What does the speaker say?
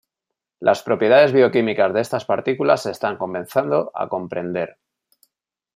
Las propiedades bioquímicas de estas partículas se están comenzado a comprender.